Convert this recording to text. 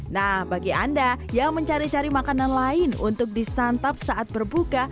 nah bagi anda yang mencari cari makanan lain untuk disantap saat berbuka